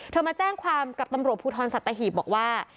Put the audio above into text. มาแจ้งความกับตำรวจภูทรสัตหีบบอกว่า